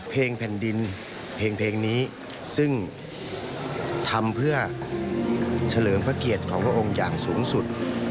เพลงแผ่นดินเพลงนี้ซึ่งทำเพื่อเฉลิมพระเกียรติของพระองค์อย่างสูงสุด